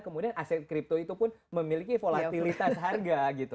kemudian aset kripto itu pun memiliki volatilitas harga gitu